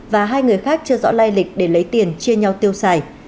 và hai người khác chưa rõ lai lịch để lấy tiền chia nhau tiêu xài